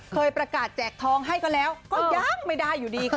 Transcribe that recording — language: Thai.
เคยประกาศแจกทองให้ก็แล้วก็ยังไม่ได้อยู่ดีค่ะ